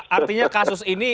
artinya kasus ini